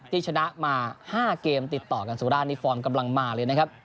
ที่ชนะมา๕เกมติดต่อกันสุราชนี่ฟอร์มกำลังมาเลยนะครับ